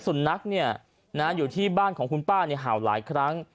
สุนัขอยู่ที่บ้านของคุณป้าเห่าหลายครั้ง